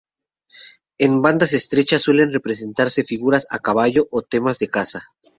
En bandas estrechas suelen representarse figuras a caballo o temas de caza.